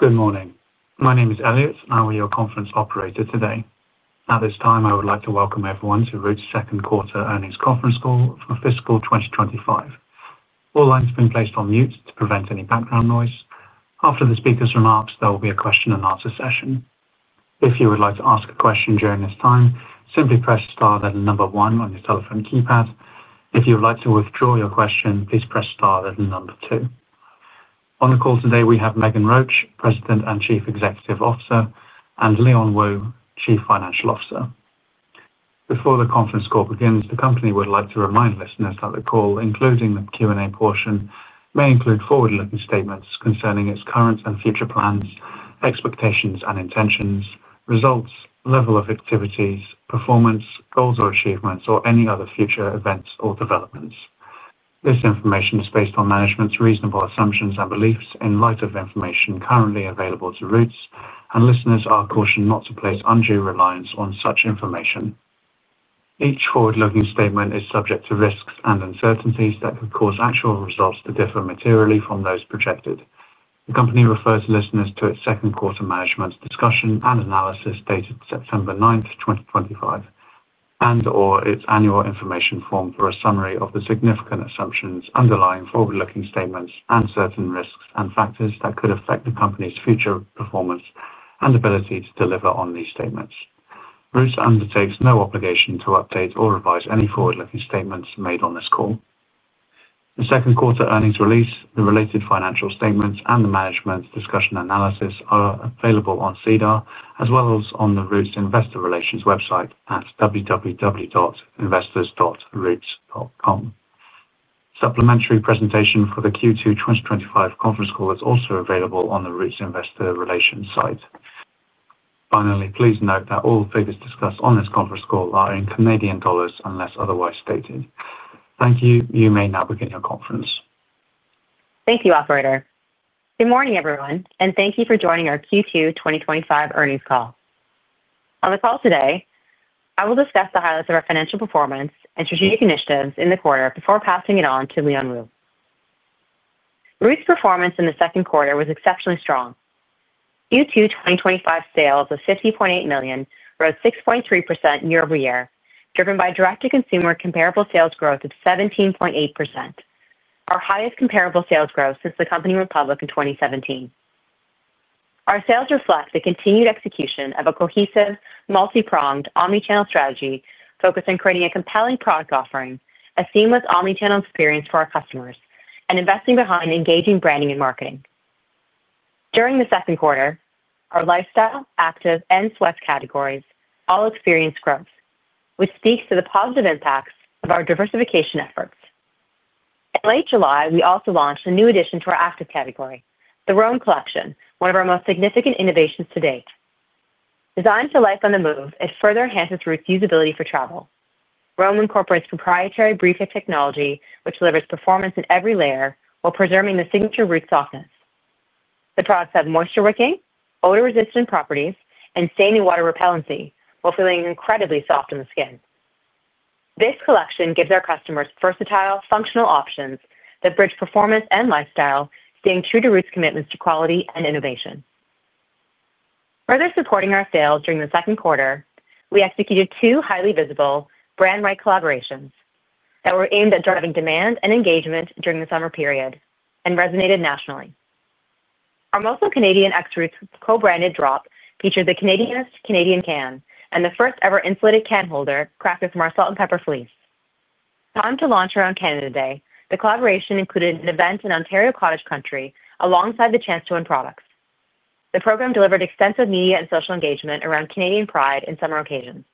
Good morning. My name is Elliot, and I will be your conference operator today. At this time, I would like to welcome everyone to Roots' second quarter earnings conference call for fiscal 2025. All lines are being placed on mute to prevent any background noise. After the speaker's remarks, there will be a question and answer session. If you would like to ask a question during this time, simply press star then number one on your telephone keypad. If you would like to withdraw your question, please press star then number two. On the call today, we have Meghan Roach, President and Chief Executive Officer, and Leon Wu, Chief Financial Officer. Before the conference call begins, the company would like to remind listeners that the call, including the Q&A portion, may include forward-looking statements concerning its current and future plans, expectations and intentions, results, level of activities, performance, goals or achievements, or any other future events or developments. This information is based on management's reasonable assumptions and beliefs in light of the information currently available to Roots, and listeners are cautioned not to place undue reliance on such information. Each forward-looking statement is subject to risks and uncertainties that could cause actual results to differ materially from those projected. The company refers listeners to its second quarter management discussion and analysis dated September 9, 2025, and/or its annual information form for a summary of the significant assumptions underlying forward-looking statements and certain risks and factors that could affect the company's future performance and ability to deliver on these statements. Roots undertakes no obligation to update or revise any forward-looking statements made on this call. The second quarter earnings release, the related financial statements, and the management discussion and analysis are available on SEDAR, as well as on the Roots Investor Relations website at www.investors.roots.com. Supplementary presentation for the Q2 2025 conference call is also available on the Roots Investor Relations site. Finally, please note that all figures discussed on this conference call are in Canadian dollars unless otherwise stated. Thank you. You may now begin your conference. Thank you, Operator. Good morning, everyone, and thank you for joining our Q2 2025 earnings call. On the call today, I will discuss the highlights of our financial performance and strategic initiatives in the quarter before passing it on to Leon Wu. Roots' performance in the second quarter was exceptionally strong. Q2 2025 sales of $50.8 million rose 6.3% year over year, driven by direct-to-consumer comparable sales growth of 17.8%, our highest comparable sales growth since the company went public in 2017. Our sales reflect the continued execution of a cohesive, multipronged, omnichannel strategy focused on creating a compelling product offering, a seamless omnichannel experience for our customers, and investing behind engaging branding and marketing. During the second quarter, our lifestyle, active, and sweats categories all experienced growth, which speaks to the positive impacts of our diversification efforts. In late July, we also launched a new addition to our active category, the Rome Collection, one of our most significant innovations to date. Designed for life on the move, it further enhances Roots' usability for travel. Rome incorporates proprietary Briefing technology, which delivers performance in every layer while preserving the signature Roots softness. The products have moisture-wicking, odor-resistant properties, and stain and water repellency, while feeling incredibly soft on the skin. This collection gives our customers versatile, functional options that bridge performance and lifestyle, staying true to Roots' commitments to quality and innovation. Further supporting our sales during the second quarter, we executed two highly visible brand-wide collaborations that were aimed at driving demand and engagement during the summer period and resonated nationally. Our Muslim Canadian Extras co-branded drop featured the Canadianist Canadian can and the first-ever insulated can holder crafted from our salt and pepper fleece. Timed to launch around Canada Day, the collaboration included an event in Ontario Cottage Country alongside the Chance to Win products. The program delivered extensive media and social engagement around Canadian pride and summer occasions.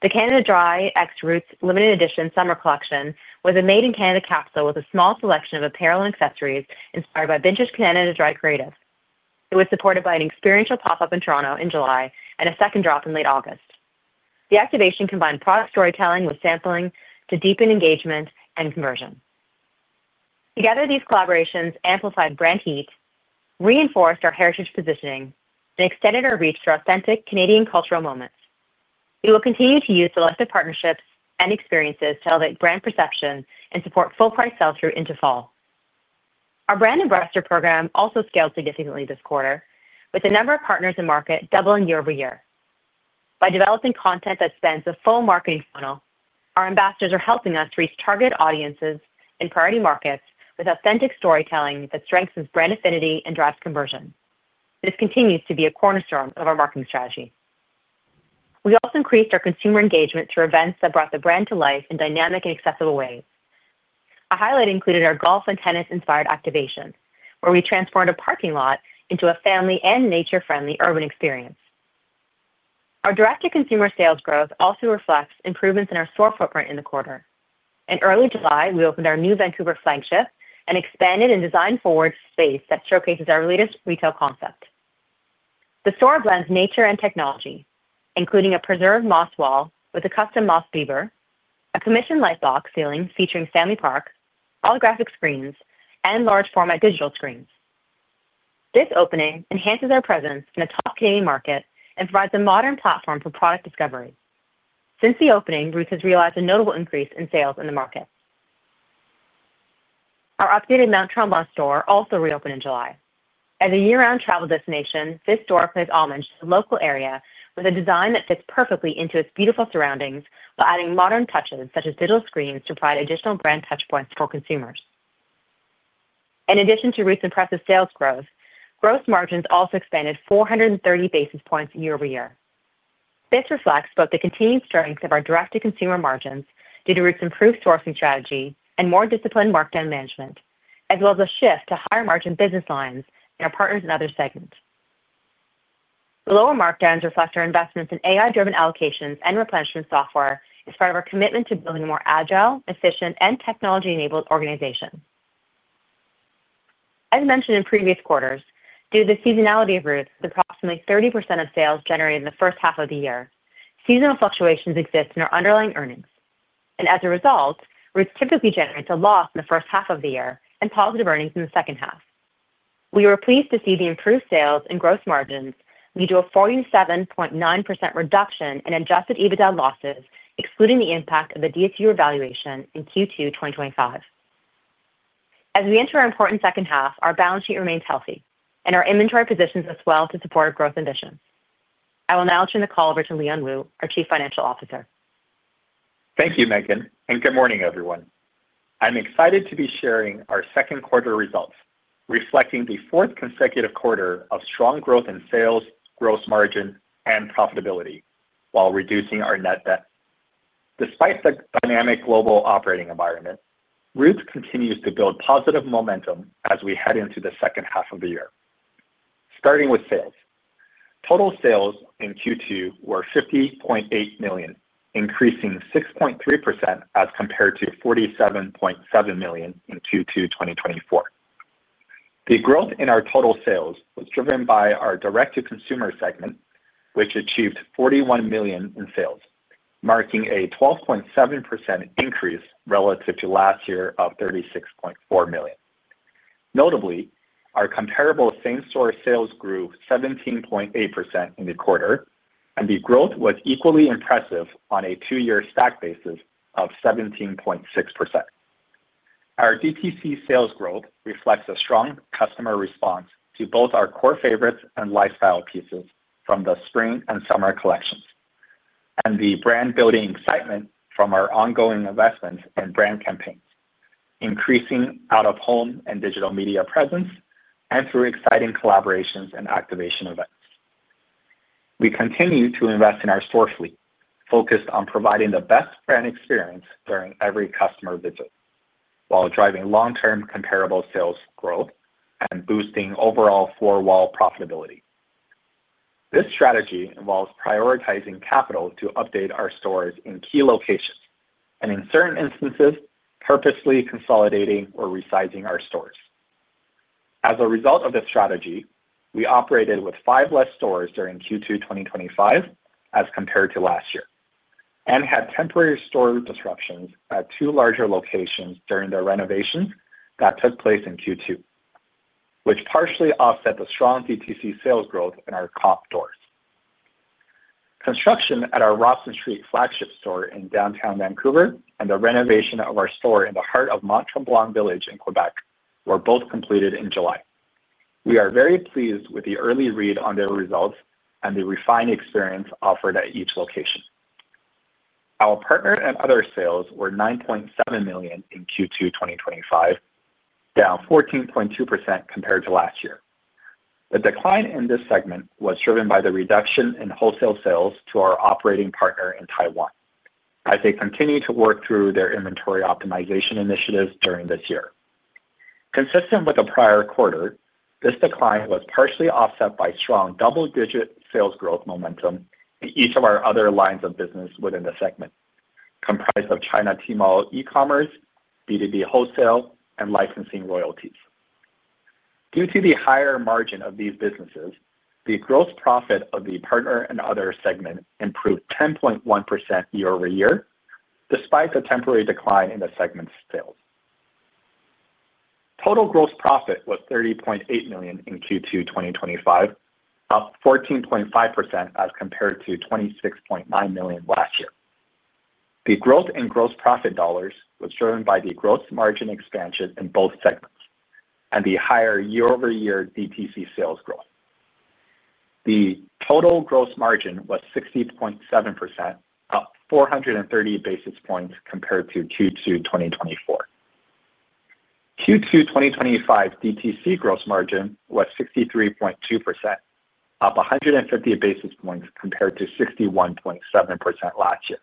The Canada Dry Extras Limited Edition Summer Collection was a made-in-Canada capsule with a small selection of apparel and accessories inspired by vintage Canada to drive creative. It was supported by an experiential pop-up in Toronto in July and a second drop in late August. The activation combined product storytelling with sampling to deepen engagement and immersion. Together, these collaborations amplified brand heat, reinforced our heritage positioning, and extended our reach through authentic Canadian cultural moments. We will continue to use selected partnerships and experiences to elevate brand perception and support full price sales through into fall. Our brand ambassador program also scaled significantly this quarter, with the number of partners in market doubling year over year. By developing content that spans a full marketing funnel, our ambassadors are helping us reach target audiences in priority markets with authentic storytelling that strengthens brand affinity and drives conversion. This continues to be a cornerstone of our marketing strategy. We also increased our consumer engagement through events that brought the brand to life in dynamic and accessible ways. A highlight included our golf and tennis-inspired activation, where we transformed a parking lot into a family and nature-friendly urban experience. Our direct-to-consumer sales growth also reflects improvements in our store footprint in the quarter. In early July, we opened our new Vancouver flagship and expanded and designed forward space that showcases our latest retail concept. The store blends nature and technology, including a preserved moss wall with a custom moss beaver, a commissioned light box ceiling featuring family park, holographic screens, and large format digital screens. This opening enhances our presence in the top Canadian market and provides a modern platform for product discovery. Since the opening, Roots has realized a notable increase in sales in the market. Our updated Mount Tremblant store also reopened in July. As a year-round travel destination, this store pays homage to the local area with a design that fits perfectly into its beautiful surroundings, while adding modern touches such as digital screens to provide additional brand touchpoints for consumers. In addition to Roots' impressive sales growth, gross margins also expanded 430 basis points year over year. This reflects both the continued strength of our direct-to-consumer margins due to Roots' improved sourcing strategy and more disciplined markdown management, as well as a shift to higher margin business lines in our partner and other segments. Lower markdowns reflect our investments in AI-driven allocations and replenishment software as part of our commitment to building a more agile, efficient, and technology-enabled organization. As mentioned in previous quarters, due to the seasonality of Roots, approximately 30% of sales are generated in the first half of the year, and seasonal fluctuations exist in our underlying earnings. As a result, Roots typically generates a loss in the first half of the year and positive earnings in the second half. We were pleased to see the improved sales and gross margins lead to a 47.9% reduction in adjusted EBITDA losses, excluding the impact of the DSU evaluation in Q2 2025. As we enter our important second half, our balance sheet remains healthy, and our inventory positions as well to support our growth ambitions. I will now turn the call over to Leon Wu, our Chief Financial Officer. Thank you, Meghan, and good morning, everyone. I'm excited to be sharing our second quarter results, reflecting the fourth consecutive quarter of strong growth in sales, gross margin, and profitability, while reducing our net debt. Despite the dynamic global operating environment, Roots continues to build positive momentum as we head into the second half of the year. Starting with sales, total sales in Q2 were $50.8 million, increasing 6.3% as compared to $47.7 million in Q2 2024. The growth in our total sales was driven by our direct-to-consumer segment, which achieved $41 million in sales, marking a 12.7% increase relative to last year of $36.4 million. Notably, our comparable same-store sales grew 17.8% in the quarter, and the growth was equally impressive on a two-year stack basis of 17.6%. Our DTC sales growth reflects a strong customer response to both our core favorites and lifestyle pieces from the spring and summer collections, and the brand-building excitement from our ongoing investments in brand campaigns, increasing out-of-home and digital media presence, and through exciting collaborations and activation events. We continue to invest in our store fleet, focused on providing the best brand experience during every customer visit, while driving long-term comparable sales growth and boosting overall floor-wall profitability. This strategy involves prioritizing capital to update our stores in key locations, and in certain instances, purposefully consolidating or resizing our stores. As a result of this strategy, we operated with five fewer stores during Q2 2025 as compared to last year, and had temporary store disruptions at two larger locations during the renovations that took place in Q2, which partially offset the strong DTC sales growth in our comp stores. Construction at our Robson Street flagship store in downtown Vancouver and the renovation of our store in the heart of Mount Tremblant Village in Quebec were both completed in July. We are very pleased with the early read on their results and the refined experience offered at each location. Our partner and other sales were $9.7 million in Q2 2025, down 14.2% compared to last year. The decline in this segment was driven by the reduction in wholesale sales to our operating partner in Taiwan, as they continue to work through their inventory optimization initiatives during this year. Consistent with the prior quarter, this decline was partially offset by strong double-digit sales growth momentum in each of our other lines of business within the segment, comprised of China T-Mall e-commerce, B2B wholesale, and licensing royalties. Due to the higher margin of these businesses, the gross profit of the partner and other segment improved 10.1% year over year, despite the temporary decline in the segment's sales. Total gross profit was $30.8 million in Q2 2025, up 14.5% as compared to $26.9 million last year. The growth in gross profit dollars was driven by the gross margin expansion in both segments and the higher year-over-year direct-to-consumer sales growth. The total gross margin was 60.7%, up 430 basis points compared to Q2 2024. Q2 2025 direct-to-consumer gross margin was 63.2%, up 150 basis points compared to 61.7% last year.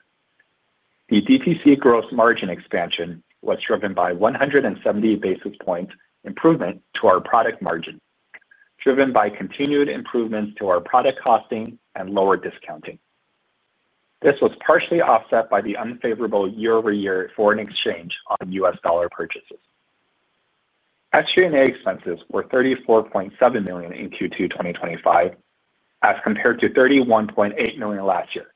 The direct-to-consumer gross margin expansion was driven by 170 basis points improvement to our product margin, driven by continued improvements to our product costing and lower discounting. This was partially offset by the unfavorable year-over-year foreign exchange on U.S. dollar purchases. SG&A expenses were $34.7 million in Q2 2025, as compared to $31.8 million last year,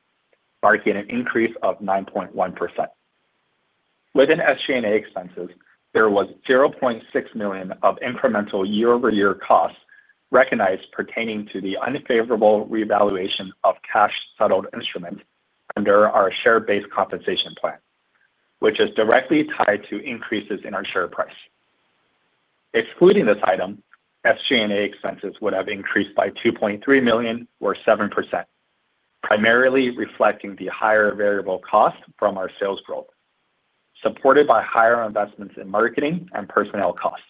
marking an increase of 9.1%. Within SG&A expenses, there was $0.6 million of incremental year-over-year costs recognized pertaining to the unfavorable revaluation of cash-settled instruments under our share-based compensation plan, which is directly tied to increases in our share price. Excluding this item, SG&A expenses would have increased by $2.3 million or 7%, primarily reflecting the higher variable cost from our sales growth, supported by higher investments in marketing and personnel costs.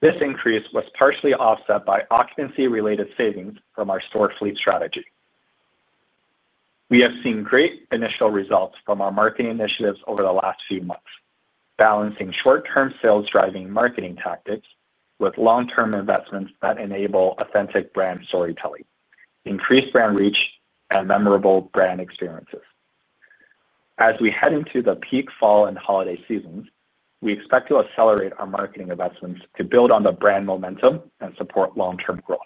This increase was partially offset by occupancy-related savings from our store fleet strategy. We have seen great initial results from our marketing initiatives over the last few months, balancing short-term sales driving marketing tactics with long-term investments that enable authentic brand storytelling, increased brand reach, and memorable brand experiences. As we head into the peak fall and holiday seasons, we expect to accelerate our marketing investments to build on the brand momentum and support long-term growth.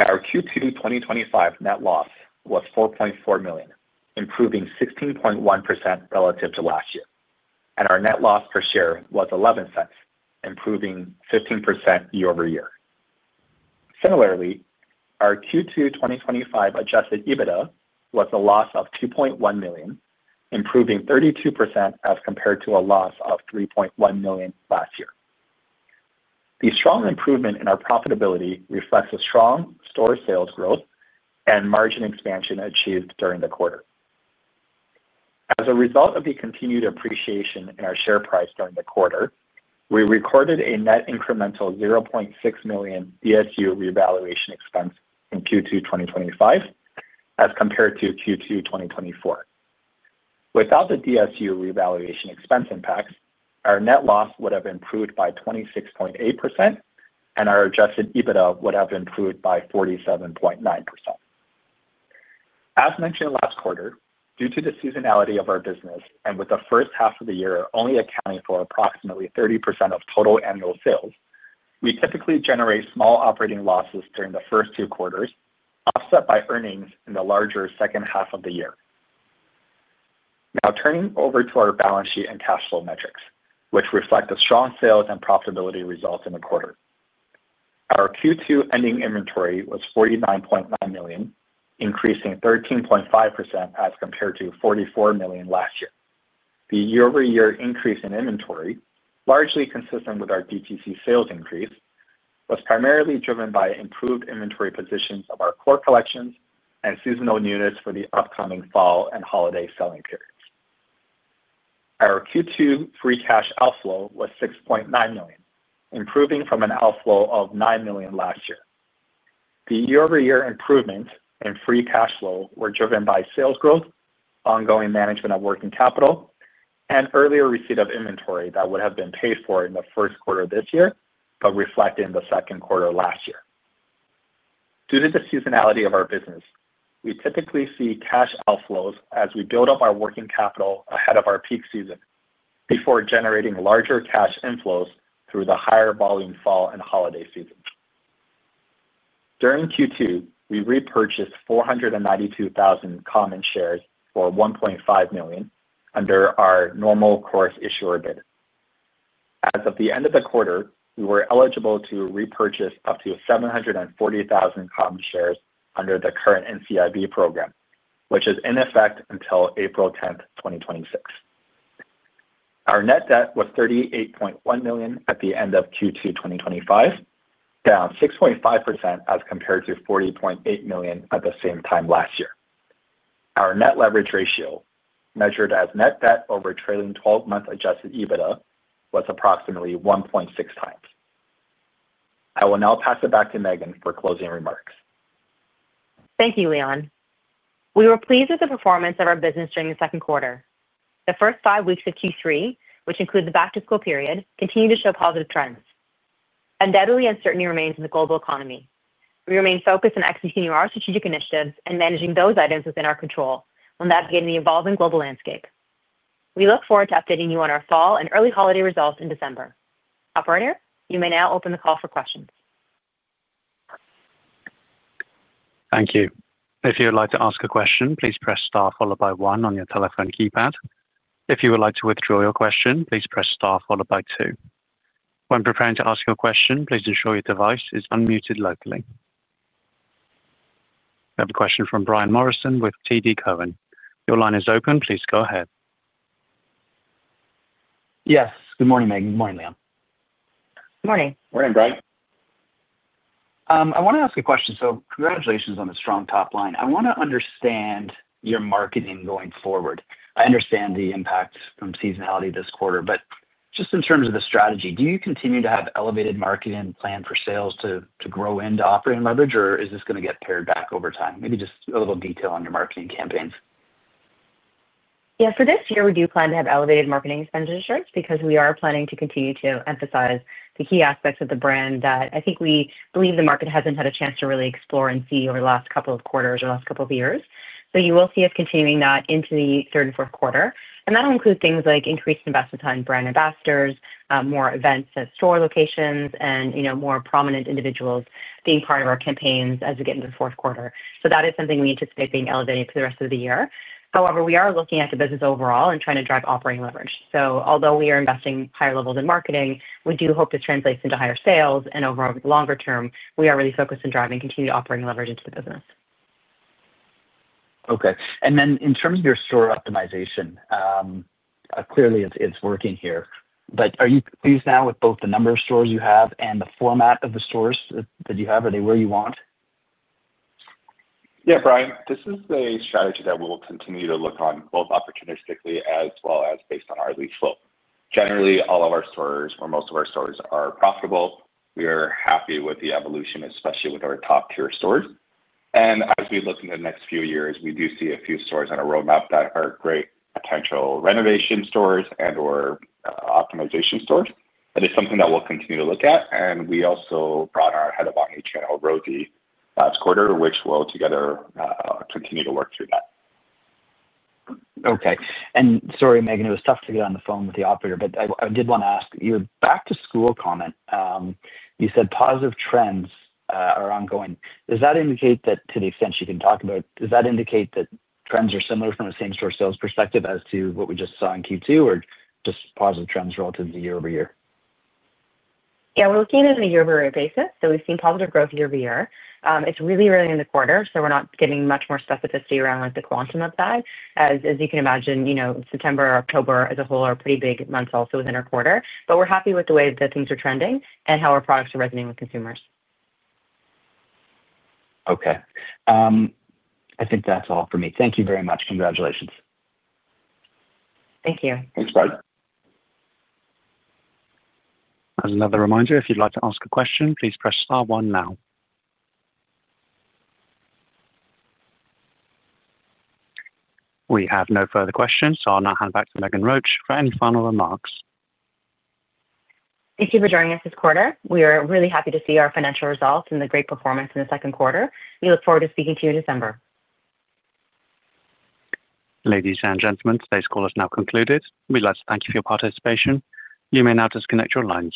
Our Q2 2025 net loss was $4.4 million, improving 16.1% relative to last year, and our net loss per share was $0.11, improving 15% year over year. Similarly, our Q2 2025 adjusted EBITDA was a loss of $2.1 million, improving 32% as compared to a loss of $3.1 million last year. The strong improvement in our profitability reflects a strong store sales growth and margin expansion achieved during the quarter. As a result of the continued appreciation in our share price during the quarter, we recorded a net incremental $0.6 million DSU revaluation expense in Q2 2025 as compared to Q2 2024. Without the DSU revaluation expense impacts, our net loss would have improved by 26.8%, and our adjusted EBITDA would have improved by 47.9%. As mentioned last quarter, due to the seasonality of our business and with the first half of the year only accounting for approximately 30% of total annual sales, we typically generate small operating losses during the first two quarters, offset by earnings in the larger second half of the year. Now turning over to our balance sheet and cash flow metrics, which reflect the strong sales and profitability results in the quarter. Our Q2 ending inventory was $49.9 million, increasing 13.5% as compared to $44 million last year. The year-over-year increase in inventory, largely consistent with our direct-to-consumer sales increase, was primarily driven by improved inventory positions of our core collections and seasonal units for the upcoming fall and holiday selling periods. Our Q2 free cash outflow was $6.9 million, improving from an outflow of $9 million last year. The year-over-year improvements in free cash flow were driven by sales growth, ongoing management of working capital, and earlier receipt of inventory that would have been paid for in the first quarter of this year, but reflected in the second quarter of last year. Due to the seasonality of our business, we typically see cash outflows as we build up our working capital ahead of our peak season before generating larger cash inflows through the higher volume fall and holiday seasons. During Q2, we repurchased 492,000 common shares for $1.5 million under our normal course issuer bid. As of the end of the quarter, we were eligible to repurchase up to 740,000 common shares under the current NCIB program, which is in effect until April 10, 2026. Our net debt was $38.1 million at the end of Q2 2025, down 6.5% as compared to $40.8 million at the same time last year. Our net leverage ratio, measured as net debt over trailing 12-month adjusted EBITDA, was approximately 1.6 times. I will now pass it back to Meghan for closing remarks. Thank you, Leon. We were pleased with the performance of our business during the second quarter. The first five weeks of Q3, which include the back-to-school period, continue to show positive trends. Undoubtedly, uncertainty remains in the global economy. We remain focused on executing our strategic initiatives and managing those items within our control when navigating the evolving global landscape. We look forward to updating you on our fall and early holiday results in December. Operator, you may now open the call for questions. Thank you. If you would like to ask a question, please press star followed by one on your telephone keypad. If you would like to withdraw your question, please press star followed by two. When preparing to ask your question, please ensure your device is unmuted locally. We have a question from Brian Morrison with TD Cowen. Your line is open. Please go ahead. Yes. Good morning, Meghan. Good morning, Leon. Morning! Morning, Brian. I want to ask a question. Congratulations on a strong top line. I want to understand your marketing going forward. I understand the impact from seasonality this quarter, but just in terms of the strategy, do you continue to have elevated marketing planned for sales to grow into operating leverage, or is this going to get pared back over time? Maybe just a little detail on your marketing campaigns. Yeah, for this year, we do plan to have elevated marketing expenditure insurance because we are planning to continue to emphasize the key aspects of the brand that I think we believe the market hasn't had a chance to really explore and see over the last couple of quarters or last couple of years. You will see us continuing that into the third and fourth quarter. That'll include things like increased investment time in brand ambassadors, more events at store locations, and, you know, more prominent individuals being part of our campaigns as we get into the fourth quarter. That is something we anticipate being elevated for the rest of the year. However, we are looking at the business overall and trying to drive operating leverage. Although we are investing higher levels in marketing, we do hope this translates into higher sales and overall longer term. We are really focused on driving continued operating leverage into the business. Okay. In terms of your store optimization, clearly it's working here. Are you pleased now with both the number of stores you have and the format of the stores that you have? Are they where you want? Yeah, Brian, this is a strategy that we will continue to look on both opportunities quickly as well as based on our lead flow. Generally, all of our stores, or most of our stores, are profitable. We're happy with the evolution, especially with our top-tier stores. As we look into the next few years, we do see a few stores on a roadmap that are great potential renovation stores and/or optimization stores. It's something that we'll continue to look at. We also brought our Head of Omnichannel, Rosie, last quarter, which will together continue to work through that. Okay. Sorry, Meghan, it was tough to get on the phone with the operator, but I did want to ask you a back-to-school comment. You said positive trends are ongoing. Does that indicate that, to the extent you can talk about it, does that indicate that trends are similar from the same store sales perspective as to what we just saw in Q2, or just positive trends relative to year over year? Yeah, we're looking at it on a year-over-year basis. We've seen positive growth year over year. It's really early in the quarter, so we're not getting much more specificity around the quantum of that. As you can imagine, September and October as a whole are pretty big months also within our quarter. We're happy with the way that things are trending and how our products are resonating with consumers. Okay, I think that's all for me. Thank you very much. Congratulations. Thank you. Thanks, Brian. As another reminder, if you'd like to ask a question, please press star one now. We have no further questions, so I'll now hand it back to Meghan Roach for any final remarks. Thank you for joining us this quarter. We are really happy to see our financial results and the great performance in the second quarter. We look forward to speaking to you in December. Ladies and gentlemen, today's call is now concluded. We'd like to thank you for your participation. You may now disconnect your lines.